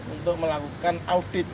untuk melakukan audit